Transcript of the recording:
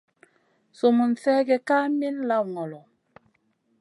Sum mun sergue Kay min lawn ngolo.